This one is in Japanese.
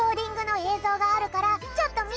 ぞうがあるからちょっとみて！